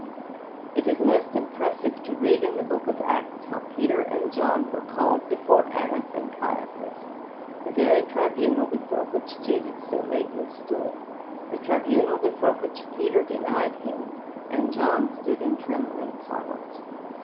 It is most impressive to read in the Book of Acts how Peter and John were called before Annas and Caiaphas the very tribunal before which Jesus so lately stood, the tribunal before which Peter denied him and John stood in trembling silence.